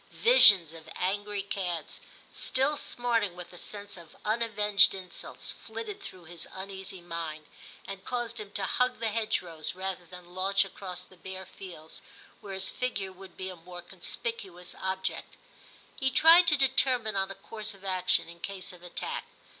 Visions of angry cads, still smarting with a sense of 132 TIM CHAP. unavenged insults, flitted through his uneasy mind, and caused him to hug the hedgerows rather than launch across the bare fields, where his figure would be a more conspicu ous object. He tried to determine on a course of action in case of attack.